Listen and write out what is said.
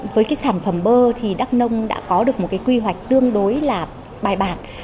với sản phẩm bơ thì đắk nông đã có được một quy hoạch tương đối là bài bản